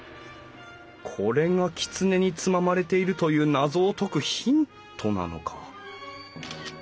これがきつねにつままれているという謎を解くヒントなのか？